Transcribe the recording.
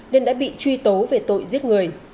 nên đã bị truy tố về tội giết người